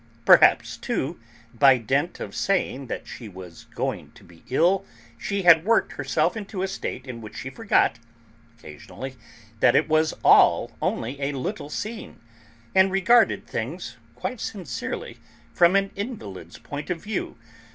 Perhaps, too, by dint of saying that she was going to be ill, she had worked herself into a state in which she forgot, occasionally, that it was all only a 'little scene,' and regarded things, quite sincerely, from an invalid's point of view.